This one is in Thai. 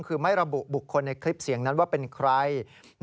คือไม่ระบุบุคคลในคลิปเสียงนั้นว่าเป็นใคร